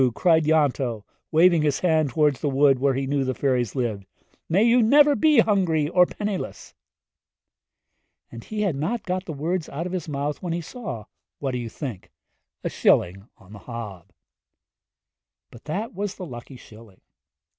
cried Ianto, waving his hand toward the wood where he knew the fairies lived; 'good luck to you! May you never be hungry or penniless!' And he had not got the words out of his mouth when he saw what do you think? a shilling on the hob! But that was the lucky shilling.